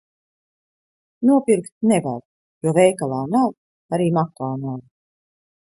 Nopirkt nevar, jo veikalā nav, arī makā nav.